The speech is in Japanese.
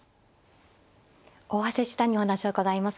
大橋七段にお話を伺います。